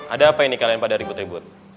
ada apa ini kalian pada ribut ribut